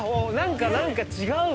何か違うわ。